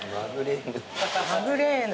マグレーヌ。